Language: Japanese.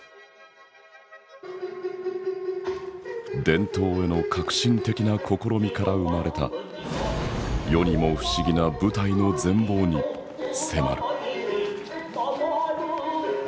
伝統への革新的な試みから生まれた世にも不思議な舞台の全貌に迫る。